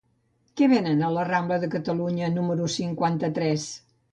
Què venen a la rambla de Catalunya número cinquanta-tres?